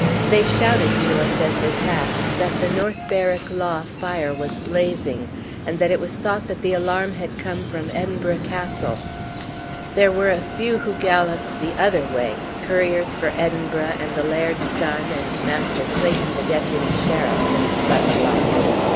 They shouted to us as they passed that the North Berwick Law fire was blazing, and that it was thought that the alarm had come from Edinburgh Castle. There were a few who galloped the other way, couriers for Edinburgh, and the laird's son, and Master Clayton, the deputy sheriff, and such like.